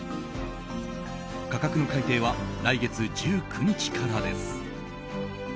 価格の改定は来月１９日からです。